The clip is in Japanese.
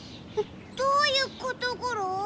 どういうことゴロ？